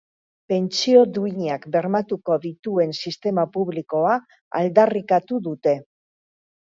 Pentsio duinak bermatuko dituen sistema publikoa aldarrikatu dute.